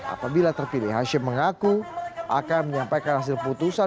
apabila terpilih hashim mengaku akan menyampaikan hasil putusan